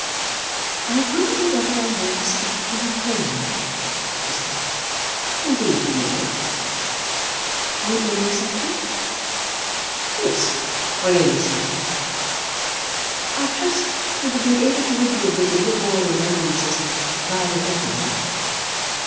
"I wonder whether I may speak to you plainly," she said. "Indeed you may." "On any subject?" "Yes; on any subject." "I trust you have been able to rid your bosom of all remembrances of Violet Effingham."